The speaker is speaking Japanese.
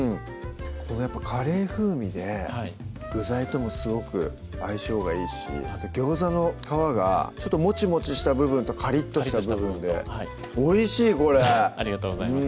やっぱカレー風味で具材ともすごく相性がいいしあとギョウザの皮がちょっともちもちした部分とカリッとした部分でおいしいこれありがとうございます